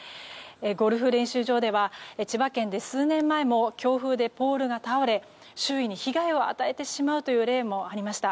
ゴルフ練習場では千葉県で数年前も強風でポールが倒れ周囲に被害を与えてしまう例もありました。